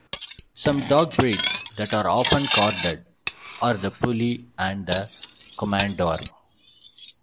Some dog breeds that are often corded are the Puli and the Komondor.